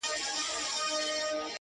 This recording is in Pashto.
• څوک به څرنګه منتر د شیطان مات کړي -